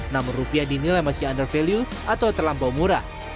namun rupiah dinilai masih under value atau terlampau murah